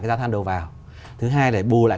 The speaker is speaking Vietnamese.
cái gia than đầu vào thứ hai là để bù lại